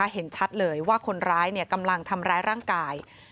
เห็นชัดเลยว่าคนร้ายกำลังทำร้ายร่างกาย